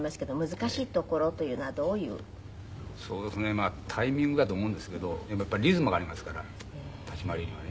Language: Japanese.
まあタイミングだと思うんですけどやっぱりリズムがありますから立ち回りにはね歌と一緒で。